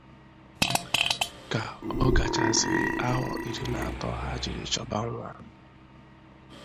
ka ọ gàchàzịrị ahọ iri na atọ ha jiri chọba nwa